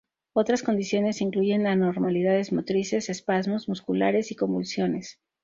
Otras condiciones incluyen anormalidades motrices, espasmos musculares y convulsiones.